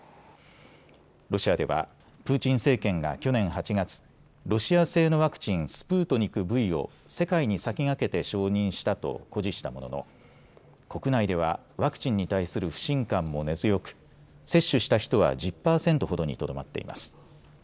ロシアではプーチン政権が去年８月、ロシア製のワクチン、スプートニクＶを世界に先駆けて承認したと誇示したものの国内ではワクチンに対する不信感も根強く接種した人は１０％ほどにとどまっています。